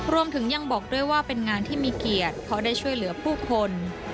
รวมถึงยังบอกด้วยว่าเป็นงานที่มีเกียรติเพราะได้ช่วยเหลือผู้คน